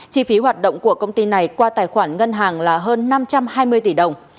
chi phí hoạt động của công ty này qua tài khoản ngân hàng là hơn năm trăm hai mươi tỷ đồng